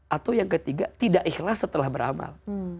atau yang ketiga tidak ikhlas setelah beramal